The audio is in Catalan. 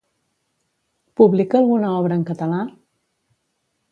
Publica alguna obra en català?